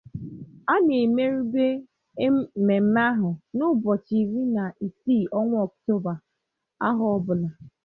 A na-emerùbe mmemme ahụ n'ụbọchị iri na isii ọnwa Ọkụtooba ahọ ọbụla.